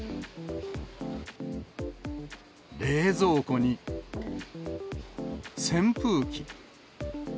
冷蔵庫に扇風機。